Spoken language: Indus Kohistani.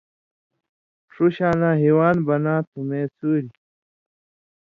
ݜُو شاناں ہِوان بناتُھو مے سُوریۡ